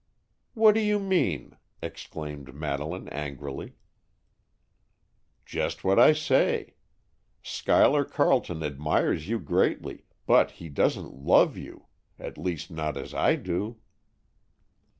"What do you mean?" exclaimed Madeleine angrily. "Just what I say. Schuyler Carleton admires you greatly, but he doesn't love you—at least, not as I do!"